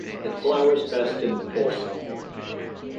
It flowers best in full sun.